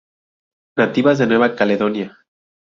Nativas de Nueva Caledonia.